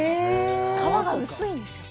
皮が薄いんですよ。